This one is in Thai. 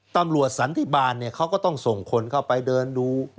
สันติบาลเขาก็ต้องส่งคนเข้าไปเดินดู